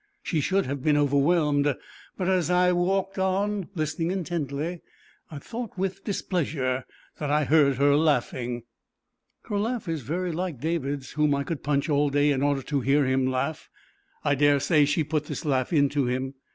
She should have been overwhelmed, but as I walked on listening intently, I thought with displeasure that I heard her laughing. Her laugh is very like David's, whom I could punch all day in order to hear him laugh. I dare say she put this laugh into him.